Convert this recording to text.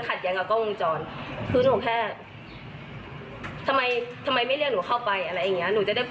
คืออยากให้มาไหว้หนูขอโทษอย่างจริงใจ